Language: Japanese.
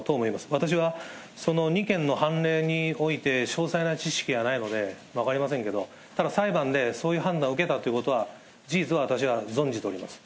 私はその２件の判例において、詳細な知識がないので、分かりませんけれども、ただ裁判でそういう判断を受けたということは、事実、私は存じております。